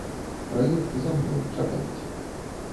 Праект за мной, чакайце.